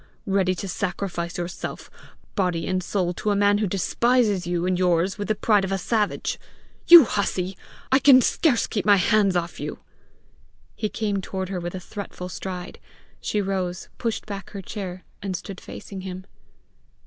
ready to sacrifice yourself, body and soul, to a man who despises you and yours with the pride of a savage! You hussey, I can scarce keep my hands off you!" He came toward her with a threatful stride. She rose, pushed back her chair, and stood facing him.